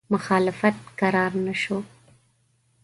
مخالفت کرار نه شو.